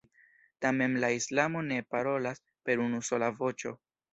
Tamen la islamo ne parolas per unusola voĉo.